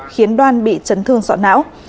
khiến đoan bị chấn thương sọ não